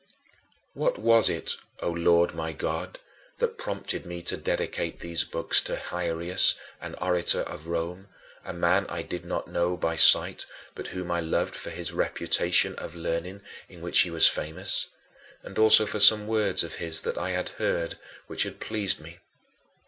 What was it, O Lord my God, that prompted me to dedicate these books to Hierius, an orator of Rome, a man I did not know by sight but whom I loved for his reputation of learning, in which he was famous and also for some words of his that I had heard which had pleased me?